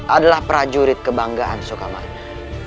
adalah prajurit kebanggaan soekarno